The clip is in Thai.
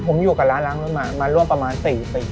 ผมอยู่กับร้านร้านมื้อหมามาร่วมประมาณ๔ปี